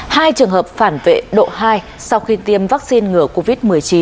hai trường hợp phản vệ độ hai sau khi tiêm vaccine ngừa covid một mươi chín